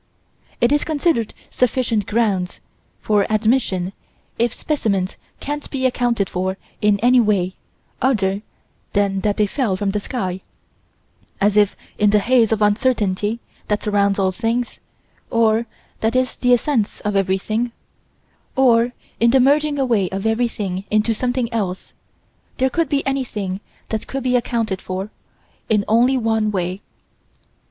It is considered sufficient grounds for admission if specimens can't be accounted for in any way other than that they fell from the sky as if in the haze of uncertainty that surrounds all things, or that is the essence of everything, or in the merging away of everything into something else, there could be anything that could be accounted for in only one way.